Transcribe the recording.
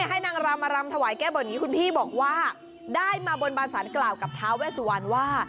ให้นางรำมารำถวายแก้บนนี้คุณพี่บอกว่าได้มาบนบานสารกล่าวกับท้าเวสุวรรณว่า